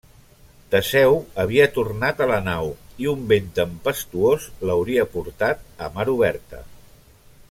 Teseu havia tornat a la nau, i un vent tempestuós l'hauria portat a mar oberta.